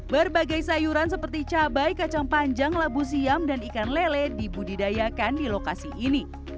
berbagai sayuran seperti cabai kacang panjang labu siam dan ikan lele dibudidayakan di lokasi ini